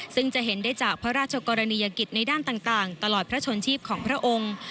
ซึ่งจะเห็นได้จากพระราชกรณียกิจในด้านต่างตลอดพระชนชีพของพระองค์